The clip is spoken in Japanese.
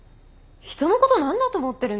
人のこと何だと思ってるんですか？